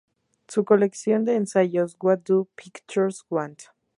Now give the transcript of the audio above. Su colección de ensayos "What Do Pictures Want"?